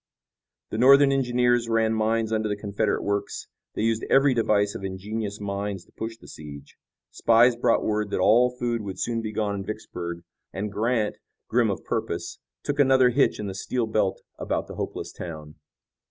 The Northern engineers ran mines under the Confederate works. They used every device of ingenious minds to push the siege. Spies brought word that all food would soon be gone in Vicksburg, and Grant, grim of purpose, took another hitch in the steel belt about the hopeless town.